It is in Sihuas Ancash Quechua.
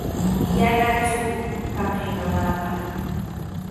Yana chukuyuq kaqmi mamaaqa.